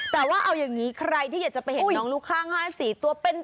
แต่ว่าเอายังนี้ใครที่อยากจะไปเห็นน้องลูคค่างห้าสี่ตัวเป็น